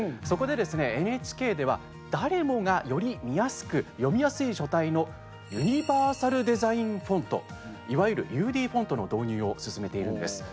そこでですね、ＮＨＫでは誰もがより見やすく読みやすい書体のユニバーサルデザインフォントいわゆる、ＵＤフォントの導入を進めているんです。